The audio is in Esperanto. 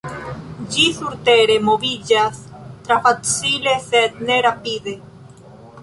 Ĝi surtere moviĝas tre facile, sed ne rapide.